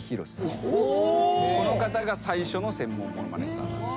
この方が最初の専門ものまね師さん。